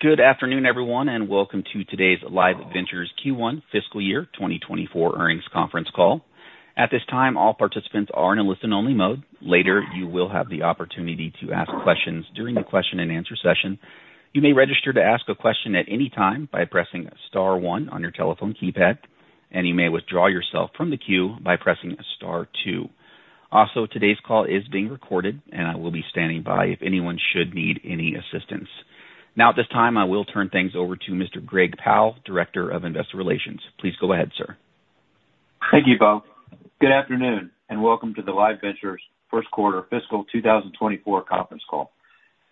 Good afternoon, everyone, and welcome to today's Live Ventures Q1 Fiscal Year 2024 earnings conference call. At this time, all participants are in a listen-only mode. Later, you will have the opportunity to ask questions during the question-and-answer session. You may register to ask a question at any time by pressing star one on your telephone keypad, and you may withdraw yourself from the queue by pressing star two. Also, today's call is being recorded, and I will be standing by if anyone should need any assistance. Now, at this time, I will turn things over to Mr. Greg Powell, Director of Investor Relations. Please go ahead, sir. Thank you, both. Good afternoon and welcome to the Live Ventures Q1 fiscal 2024 conference call.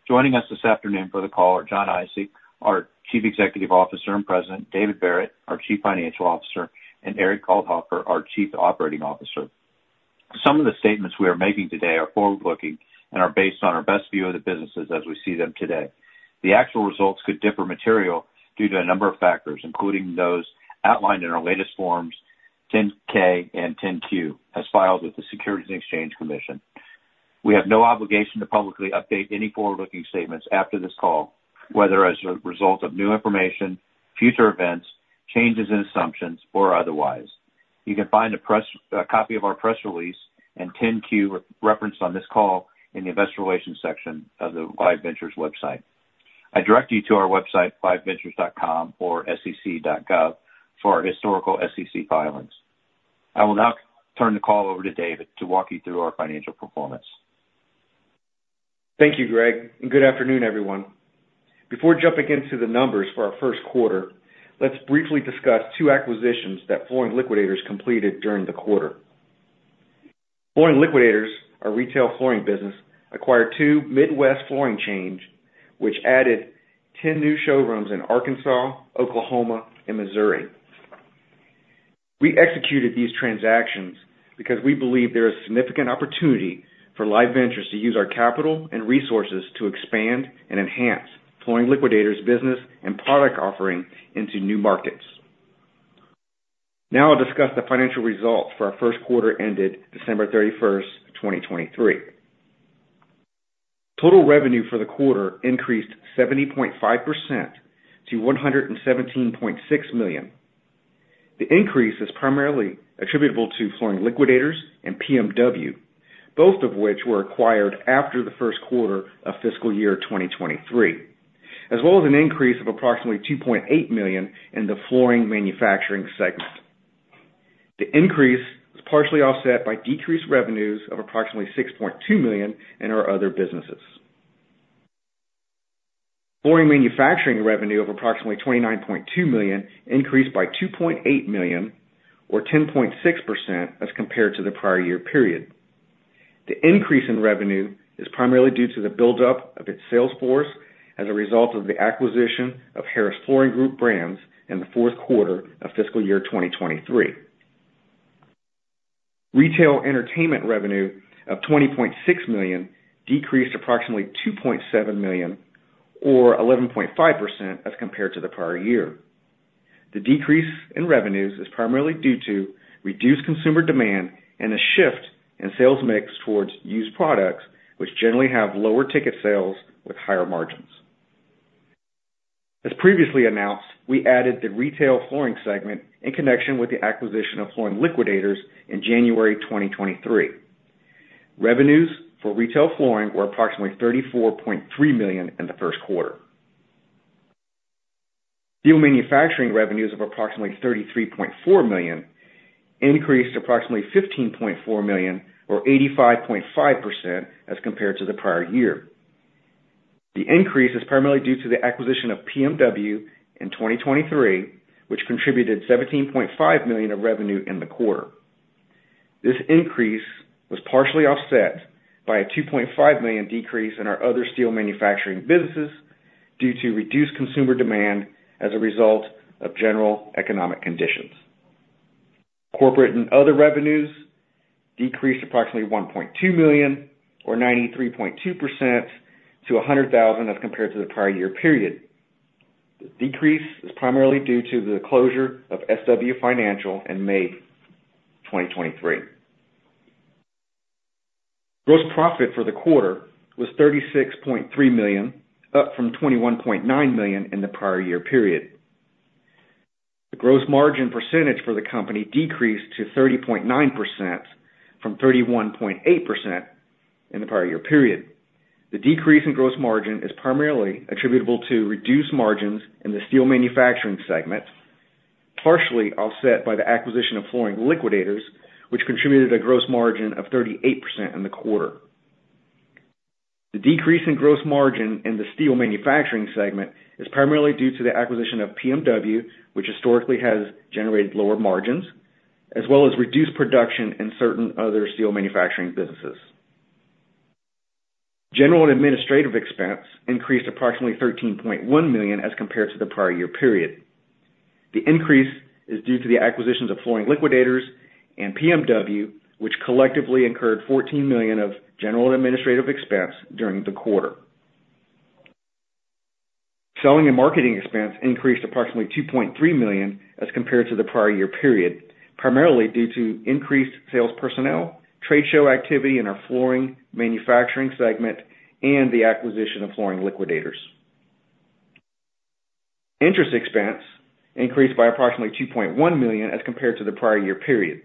Joining us this afternoon for the call are Jon Isaac, our Chief Executive Officer and President, David Verret, our Chief Financial Officer, and Eric Althofer, our Chief Operating Officer. Some of the statements we are making today are forward-looking and are based on our best view of the businesses as we see them today. The actual results could differ materially due to a number of factors, including those outlined in our latest Forms 10-K and 10-Q, as filed with the Securities and Exchange Commission. We have no obligation to publicly update any forward-looking statements after this call, whether as a result of new information, future events, changes in assumptions, or otherwise. You can find a copy of our press release and 10-Q reference on this call in the Investor Relations section of the Live Ventures website. I direct you to our website, liveventures.com or sec.gov, for our historical SEC filings. I will now turn the call over to David to walk you through our financial performance. Thank you, Greg. Good afternoon, everyone. Before jumping into the numbers for our Q1, let's briefly discuss two acquisitions that Flooring Liquidators completed during the quarter. Flooring Liquidators, our retail flooring business, acquired two Midwest flooring chains, which added 10 new showrooms in Arkansas, Oklahoma, and Missouri. We executed these transactions because we believe there is significant opportunity for Live Ventures to use our capital and resources to expand and enhance Flooring Liquidators' business and product offering into new markets. Now I'll discuss the financial results for our Q1 ended December 31st, 2023. Total revenue for the quarter increased 70.5% to $117.6 million. The increase is primarily attributable to Flooring Liquidators and PMW, both of which were acquired after the Q1 of fiscal year 2023, as well as an increase of approximately $2.8 million in the flooring manufacturing segment. The increase was partially offset by decreased revenues of approximately $6.2 million in our other businesses. Flooring Manufacturing revenue of approximately $29.2 million increased by $2.8 million, or 10.6%, as compared to the prior year period. The increase in revenue is primarily due to the buildup of its sales force as a result of the acquisition of Harris Flooring Group brands in the Q4 of fiscal year 2023. Retail-Entertainment revenue of $20.6 million decreased approximately $2.7 million, or 11.5%, as compared to the prior year. The decrease in revenues is primarily due to reduced consumer demand and a shift in sales mix towards used products, which generally have lower ticket sales with higher margins. As previously announced, we added the Retail-Flooring segment in connection with the acquisition of Flooring Liquidators in January 2023. Revenues for Retail-Flooring were approximately $34.3 million in the Q1. Steel Manufacturing revenues of approximately $33.4 million increased approximately $15.4 million, or 85.5%, as compared to the prior year. The increase is primarily due to the acquisition of PMW in 2023, which contributed $17.5 million of revenue in the quarter. This increase was partially offset by a $2.5 million decrease in our other Steel Manufacturing businesses due to reduced consumer demand as a result of general economic conditions. Corporate and other revenues decreased approximately $1.2 million, or 93.2%, to $100,000 as compared to the prior year period. The decrease is primarily due to the closure of SW Financial in May 2023. Gross profit for the quarter was $36.3 million, up from $21.9 million in the prior year period. The gross margin percentage for the company decreased to 30.9% from 31.8% in the prior year period. The decrease in gross margin is primarily attributable to reduced margins in the steel manufacturing segment, partially offset by the acquisition of Flooring Liquidators, which contributed a gross margin of 38% in the quarter. The decrease in gross margin in the steel manufacturing segment is primarily due to the acquisition of PMW, which historically has generated lower margins, as well as reduced production in certain other steel manufacturing businesses. General and administrative expense increased approximately $13.1 million as compared to the prior year period. The increase is due to the acquisitions of Flooring Liquidators and PMW, which collectively incurred $14 million of general and administrative expense during the quarter. Selling and marketing expense increased approximately $2.3 million as compared to the prior year period, primarily due to increased sales personnel, trade show activity in our flooring manufacturing segment, and the acquisition of Flooring Liquidators. Interest expense increased by approximately $2.1 million as compared to the prior year period.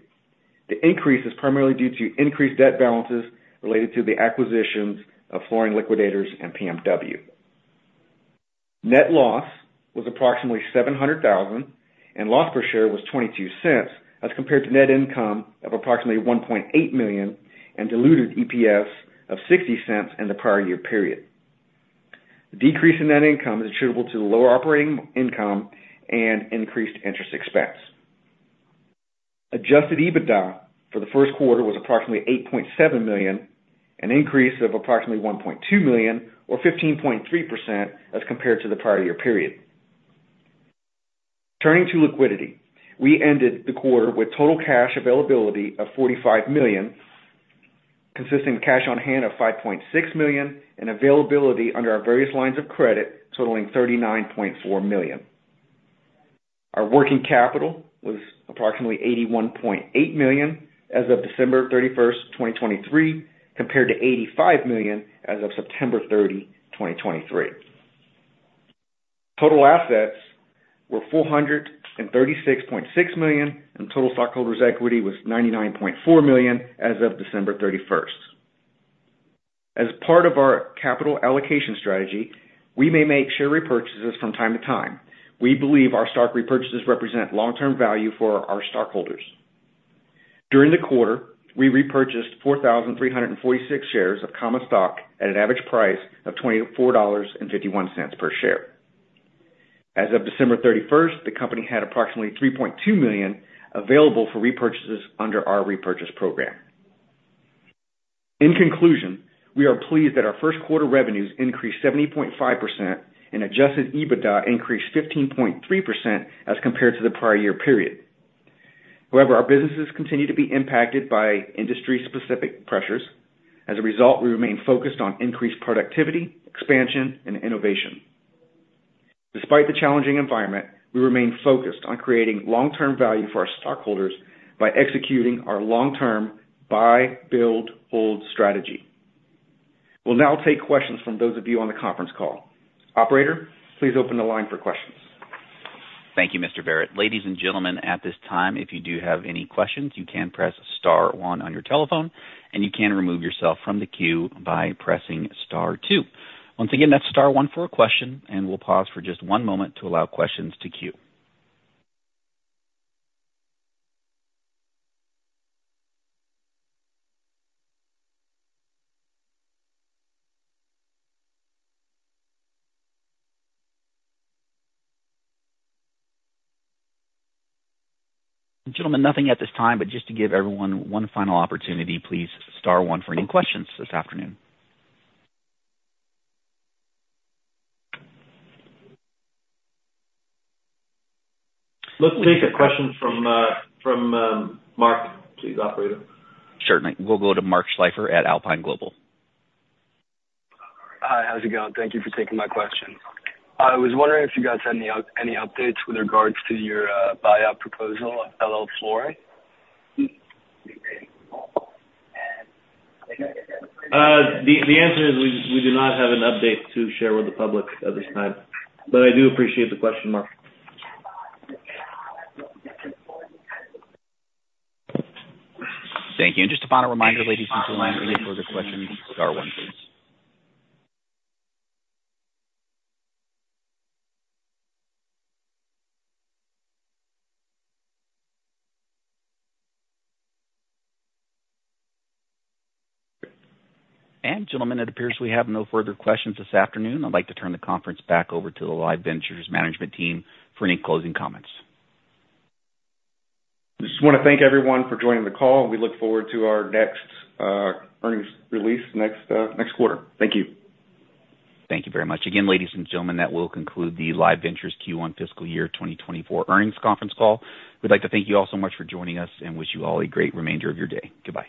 The increase is primarily due to increased debt balances related to the acquisitions of Flooring Liquidators and PMW. Net loss was approximately $700,000, and loss per share was $0.22 as compared to net income of approximately $1.8 million and diluted EPS of $0.60 in the prior year period. The decrease in net income is attributable to lower operating income and increased interest expense. Adjusted EBITDA for the Q1 was approximately $8.7 million, an increase of approximately $1.2 million, or 15.3% as compared to the prior year period. Turning to liquidity, we ended the quarter with total cash availability of $45 million, consisting of cash on hand of $5.6 million, and availability under our various lines of credit totaling $39.4 million. Our working capital was approximately $81.8 million as of December 31st, 2023, compared to $85 million as of September 30, 2023. Total assets were $436.6 million, and total stockholders' equity was $99.4 million as of December 31st. As part of our capital allocation strategy, we may make share repurchases from time to time. We believe our stock repurchases represent long-term value for our stockholders. During the quarter, we repurchased 4,346 shares of Common Stock at an average price of $24.51 per share. As of December 31st, the company had approximately $3.2 million available for repurchases under our repurchase program. In conclusion, we are pleased that our Q1 revenues increased 70.5% and Adjusted EBITDA increased 15.3% as compared to the prior year period. However, our businesses continue to be impacted by industry-specific pressures. As a result, we remain focused on increased productivity, expansion, and innovation. Despite the challenging environment, we remain focused on creating long-term value for our stockholders by executing our long-term buy, build, hold strategy. We'll now take questions from those of you on the conference call. Operator, please open the line for questions. Thank you, Mr. Verret. Ladies and gentlemen, at this time, if you do have any questions, you can press star one on your telephone, and you can remove yourself from the queue by pressing star two. Once again, that's star one for a question, and we'll pause for just one moment to allow questions to queue. Gentlemen, nothing at this time, but just to give everyone one final opportunity, please star one for any questions this afternoon. Let's take a question from Mark, please, operator. Certainly. We'll go to Mark Schleifer at Alpine Global. Hi, how's it going? Thank you for taking my question. I was wondering if you guys had any updates with regards to your buyout proposal of LL Flooring. The answer is we do not have an update to share with the public at this time, but I do appreciate the question, Mark. Thank you. Just a final reminder, ladies and gentlemen, any further questions, star one, please. Gentlemen, it appears we have no further questions this afternoon. I'd like to turn the conference back over to the Live Ventures management team for any closing comments. I just want to thank everyone for joining the call, and we look forward to our next earnings release next quarter. Thank you. Thank you very much. Again, ladies and gentlemen, that will conclude the Live Ventures Q1 fiscal year 2024 earnings conference call. We'd like to thank you all so much for joining us and wish you all a great remainder of your day. Goodbye.